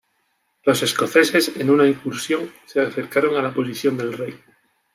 Los escoceses, en una incursión, se acercaron a la posición del rey.